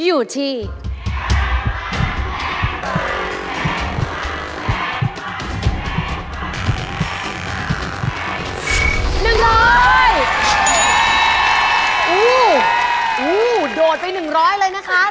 โอ้โหโดดไป๑๐๐เลยนะคะ